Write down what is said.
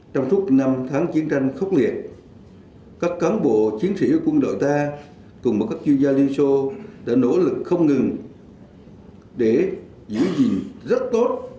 trong suốt năm tháng chiến tranh khốc liệt các cán bộ chiến sĩ quân đội ta cùng với các chuyên gia liên xô đã nỗ lực không ngừng để giữ gìn rất tốt